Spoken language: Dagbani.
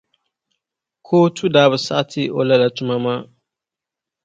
Kootu daa bi saɣiti o lala tuma maa.